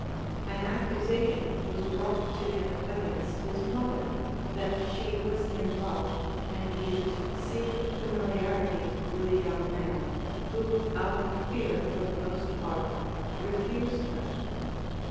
An accusation was brought to him against his mother, that she was in love and used secret familiarity Avith a young man, who out of fear for the most ])art re fused her.